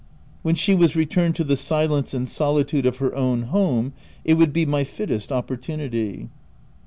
When she was returned to the silence and soli tude of her own home it would be my fittest opportunity.